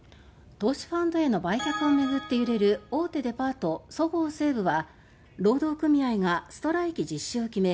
投資ファンドへの売却をめぐって揺れる大手デパート「そごう・西武」は労働組合がストライキ実施を決め